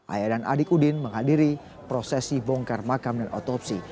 ayah dan adik udin menghadiri prosesi bongkar makam dan otopsi